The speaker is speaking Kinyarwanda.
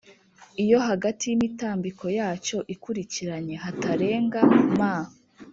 iyo hagati y’imitambiko yacyo ikurikiranye hatarenga m ,